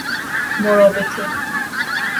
مرابطه